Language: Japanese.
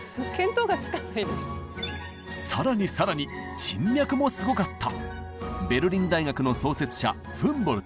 更に更に人脈もすごかった！